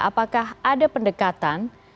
apakah ada pendekatan